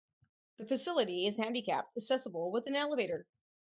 The facility is handicapped-accessible with an elevator.